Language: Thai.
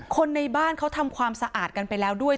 คนในบ้านเขาทำความสะอาดกันไปแล้วด้วย